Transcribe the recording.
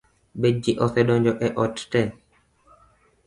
Be ji osedonjo ot tee?